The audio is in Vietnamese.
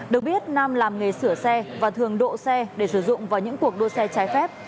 được biết nam làm nghề sửa xe và thường độ xe để sử dụng vào những cuộc đua xe trái phép